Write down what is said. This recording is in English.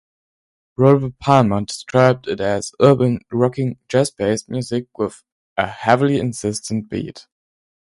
Robert Palmer described it as "urbane, rocking, jazz-based music with a heavy, insistent beat".